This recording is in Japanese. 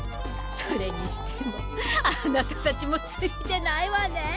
それにしてもあなた達もついてないわねェ。